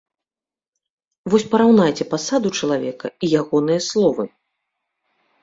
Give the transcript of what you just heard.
Вось параўнайце пасаду чалавека і ягоныя словы!